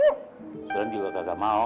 suran juga kagak mau